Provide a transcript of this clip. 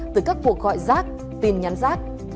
từ các cuộc gọi rác tin nhắn rác